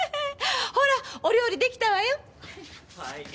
ほらお料理できたわよ。